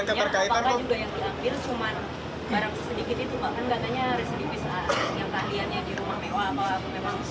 bukan nggak hanya residu yang kalian yang di rumah mewah